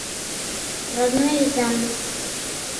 — Родной изам...